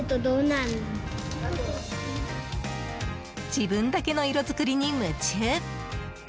自分だけの色作りに夢中。